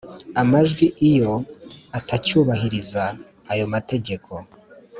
amajwi iyo atacyubahiriza aya mategeko